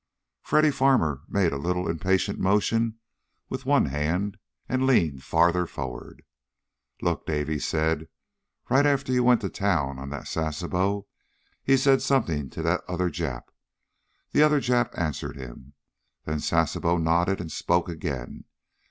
Freddy Farmer made a little impatient motion with one hand and leaned farther forward. "Look, Dave," he said, "right after you went to town on that Sasebo he said something to that other Jap. The other Jap answered him. Then Sasebo nodded, and spoke again.